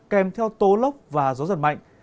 kèm theo tố lốc và gió rất mạnh